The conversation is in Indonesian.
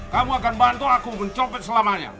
kamu akan bantu aku mencopet selamanya